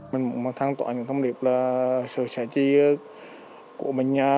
mình muốn tham tội những thông điệp là sự sạch chí của mình